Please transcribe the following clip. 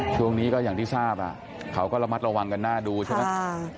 ช่วงนี้ก็อย่างที่ทราบเขาก็ระมัดระวังกันหน้าดูใช่ไหม